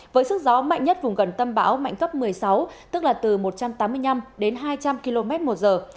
với sức gió mạnh nhất vùng gần tâm bão mạnh cấp một mươi sáu tức là từ một trăm tám mươi năm đến hai trăm linh km một giờ